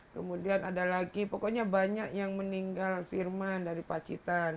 kemudian ada lagi pokoknya banyak yang meninggal firman dari pacitan